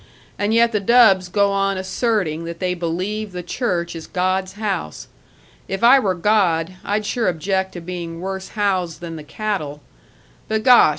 And yet the dubs go on asserting that they believe the church is God's house. If I were God, I'd sure object to being worse housed than the cattle. But, gosh!